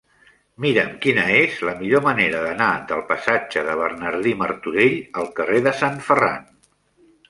Mira'm quina és la millor manera d'anar del passatge de Bernardí Martorell al carrer de Sant Ferran.